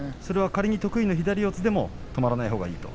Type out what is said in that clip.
仮に得意の左四つでも止まらないほうがいいと。